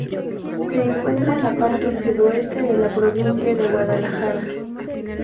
Se encuentra en la parte sudoeste de la provincia de Guadalajara.